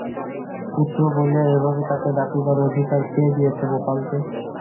পুত্র বলিয়া এভাবে তাকে ডাকিবার অধিকার কে দিয়াছে গোপালকে?